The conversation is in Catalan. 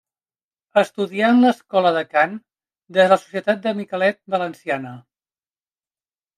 Estudià en l'Escola de Cant de la Societat del Miquelet valenciana.